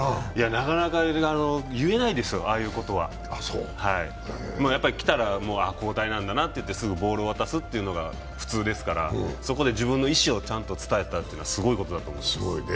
なかなか言えないですよ、ああいうことは。来たらもう交代なんだなっていってすぐボールを渡すっていうのが普通ですからそこで自分の意思をちゃんと伝えたというのはすごいことだと思います。